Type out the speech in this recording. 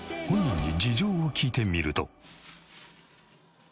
本人に事情を聞いてみると。